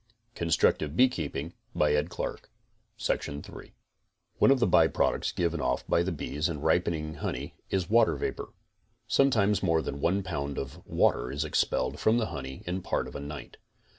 CONSTRUCTIVE BEEKEEPING 19 EVAPORATION One of the by products given off by the bees in ripening honey is water vapor. Sometimes more than one pound of water is expelled from the honey in part of a night.